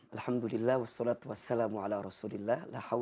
alhamdulillah wassalatu wassalamu ala rasulillah